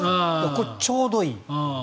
これ、ちょうどいい。